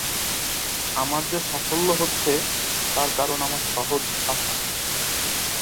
আমার যে সাফল্য হচ্ছে, তার কারণ আমার সহজ ভাষা।